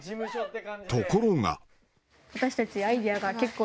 ところが。